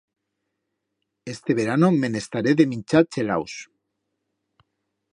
Este verano me'n estaré de minchar chelaus.